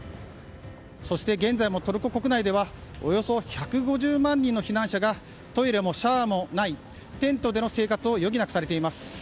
そして、現在もトルコ国内ではおよそ１５０万人の避難者がトイレもシャワーもないテントでの生活を余儀なくされています。